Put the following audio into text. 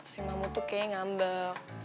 si mama tuh kayaknya ngambek